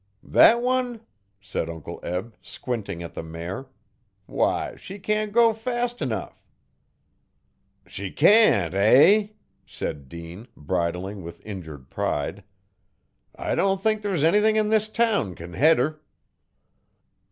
'Thet one,' said Uncle Eb, squinting at the mare, 'why she can't go fast 'nough.' 'She can't, hey?' said Dean, bridling with injured pride. 'I don't think there's anything in this town can head her.'